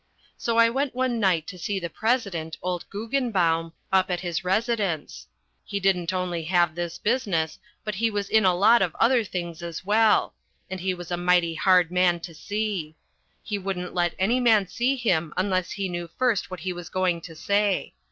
So I went one night to see the president, old Guggenbaum, up at his residence. He didn't only have this business, but he was in a lot of other things as well, and he was a mighty hard man to see. He wouldn't let any man see him unless he knew first what he was going to say.